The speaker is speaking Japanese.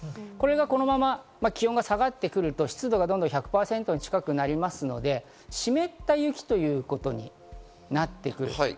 これがこのまま気温が下がってくると湿度がどんどん１００％に近くなるので湿った雪ということになってくる。